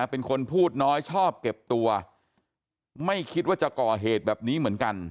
เป็นคนพูดน้อยชอบเก็บตัวไม่คิดว่าจะก่อเหตุแบบนี้เหมือนกัน